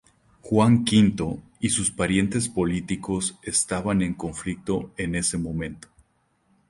Juan V y sus parientes políticos estaban en conflicto en ese momento.